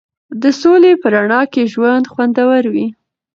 د سولې په رڼا کې ژوند خوندور وي.